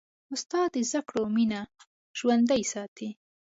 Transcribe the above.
استاد د زدهکړو مینه ژوندۍ ساتي.